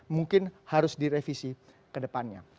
mungkin harus direvisi ke depannya